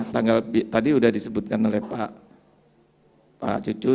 tanggal tadi sudah disebutkan oleh pak cucu